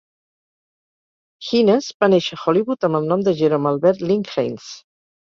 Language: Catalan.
Hines va néixer a Hollywood amb el nom de Jerome Albert Link Heinz.